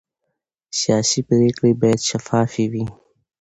سیاسي پرېکړې باید شفافې وي